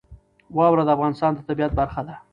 واوره د افغانستان د طبیعت برخه ده.